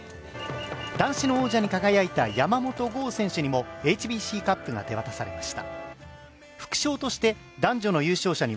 男子の王者に輝いた山元豪選手にもＨＢＣカップが手渡されました。